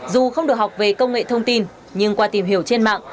dù không được học về công nghệ thông tin nhưng qua tìm hiểu trên mạng